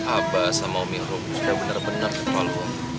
aba sama umi rum sudah benar benar kepal bu